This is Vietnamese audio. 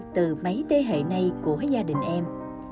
từ mấy thế hệ này của gia đình em